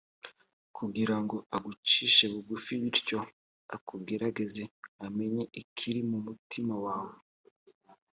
kugira ngo agucishe bugufi, bityo akugerageze, amenye ikiri mu mutima wawe